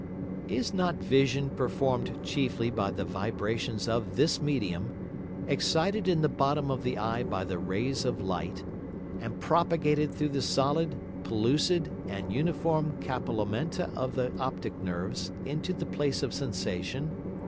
Is not Vision perform'd chiefly by the Vibrations of this Medium, excited in the bottom of the Eye by the Rays of Light, and propagated through the solid, pellucid and uniform Capillamenta of the optick Nerves into the place of Sensation?